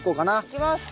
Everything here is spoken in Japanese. いきます。